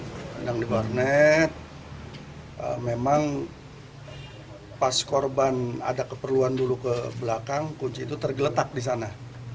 sedang di warnet memang pas korban ada keperluan dulu ke belakang kunci itu tergeletak di sana